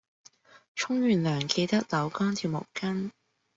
沖完涼記得扭乾條毛巾